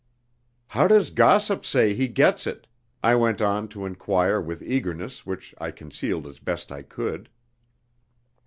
"How does gossip say he gets it?" I went on to enquire with eagerness which I concealed as best I could.